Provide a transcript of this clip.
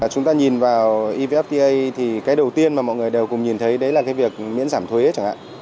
chúng ta nhìn vào evfta thì cái đầu tiên mà mọi người đều cùng nhìn thấy đấy là cái việc miễn giảm thuế chẳng hạn